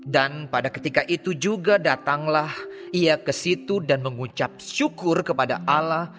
dan pada ketika itu juga datanglah ia ke situ dan mengucap syukur kepada allah